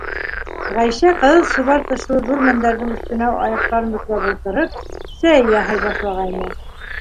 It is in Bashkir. Ғәйшә, ҡыҙыл сыбар тышлы ҙур мендәрҙең өҫтөнә аяҡтарын бөкләп ултырып, сәй яһай башлағайны.